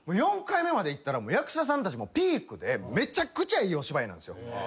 ４回目までいったら役者さんたちもピークでめちゃくちゃいいお芝居なんですよ。